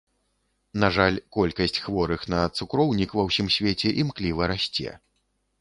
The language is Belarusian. На жаль, колькасць хворых на цукроўнік ва ўсім свеце імкліва расце.